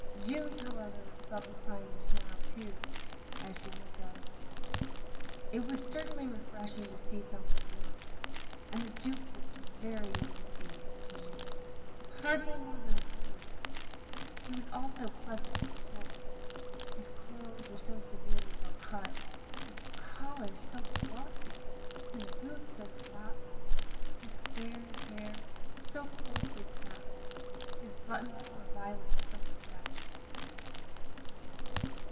Jeanne, however, felt inclined to smile too, as she looked at him. It was certainly refreshing to see somebody yoting, and the Duke looked very young indeed to Jeanne, — ^hardly more than a boy. He was also pleasant to behold. His clothes were so severely well cut, his collar so glossy^ his boots so spotless, his fair hair so closely cropped, his buttonhole of violets so fresh.